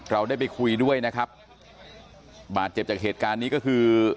เราได้ไปคุยด้วยนะครับบาดเจ็บจากเหตุการณ์นี้ก็คือ